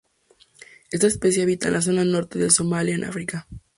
Esta especie habita en la zona norte de Somalía en África.